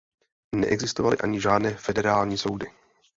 Neexistovaly ani žádné federální soudy.